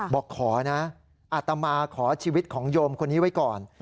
บอกขอนะอาตมาขอชีวิตของโยมคนนี้ไว้ก่อน